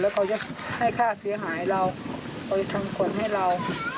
แล้วเขาจะให้ค่าเสียหายเราเขาจะทำขวดให้เรา